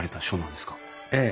ええ。